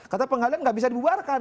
karena pengadilan gak bisa dibubarkan